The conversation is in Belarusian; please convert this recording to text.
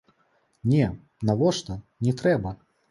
Не, навошта, не трэба.